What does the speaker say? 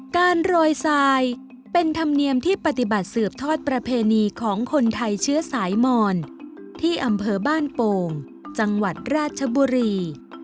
การโรยทรายเป็นธรรมเนียมที่ปฏิบัติสืบทอดประเพณีของคนไทยเชื้อสายมอนที่อำเภอบ้านโป่งจังหวัดราชบุรี